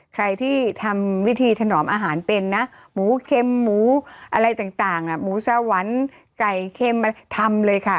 ใครที่ทำวิธีถนอมอาหารเป็นนะหมูเค็มหมูอะไรต่างหมูสวรรค์ไก่เค็มอะไรทำเลยค่ะ